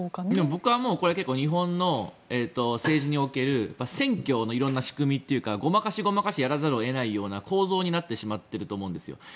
僕はこれは結構日本の政治における選挙の色んな仕組みというかごまかしごまかしやらざるを得ないような構造になってしまってると思うんですよ。